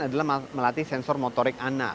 adalah melatih sensor motor